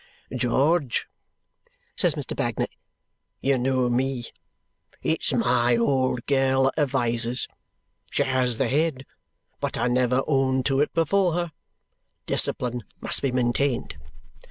"George," says Mr. Bagnet. "You know me. It's my old girl that advises. She has the head. But I never own to it before her. Discipline must be maintained.